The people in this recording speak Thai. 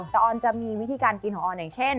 แต่ออนจะมีวิธีการกินของออนอย่างเช่น